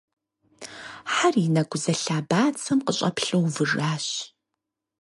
Хьэр и нэкӀу зэлъа бацэм къыщӀэплъу увыжащ.